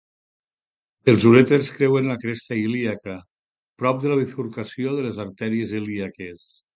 Els urèters creuen la cresta ilíaca, prop de la bifurcació de les artèries ilíaques.